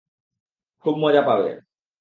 খুব মজা পাবে।